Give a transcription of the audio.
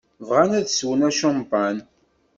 Bɣan ad swen acampan.